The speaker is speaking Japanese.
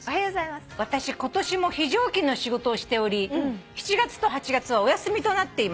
「私今年も非常勤の仕事をしており７月と８月はお休みとなっています」